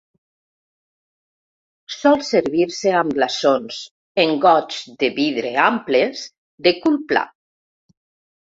Sol servir-se amb glaçons en gots de vidre amples de cul pla.